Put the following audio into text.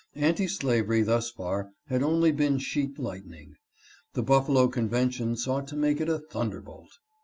Anti slavery thus far had only been sheet light ning ; the Buffalo convention sought to make it a thunder bolt.